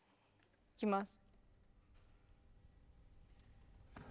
いきます。